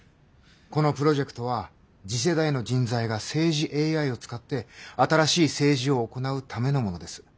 このプロジェクトは次世代の人材が政治ＡＩを使って新しい政治を行うためのものです。